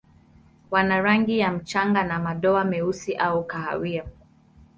Wana rangi ya mchanga na madoa meusi au kahawia.